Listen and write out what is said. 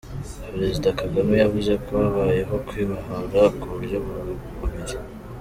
Perezida Kagame yavuze ko habayeho kwibohora ku buryo bubiri.